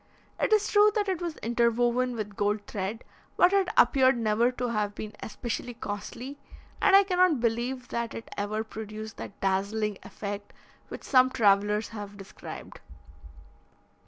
It is true that it was interwoven with gold thread, but it appeared never to have been especially costly, and I cannot believe that it ever produced that dazzling effect which some travellers have described.